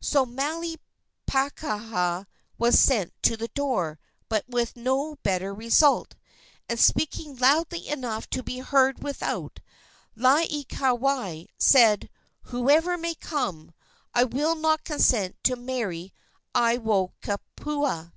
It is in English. So Maile pakaha was sent to the door, but with no better result, and, speaking loudly enough to be heard without, Laieikawai said: "Whoever may come, I will not consent to marry Aiwohikupua."